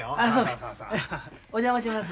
お邪魔します。